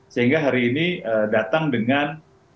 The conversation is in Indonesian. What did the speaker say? sehingga hari ini datang dengan